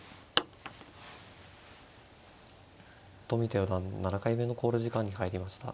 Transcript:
冨田四段７回目の考慮時間に入りました。